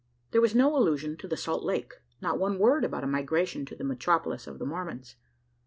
There was no allusion to the Salt Lake not one word about a migration to the metropolis of the Mormons.